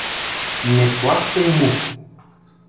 Не плащай му.